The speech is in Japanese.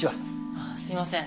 あっすいません。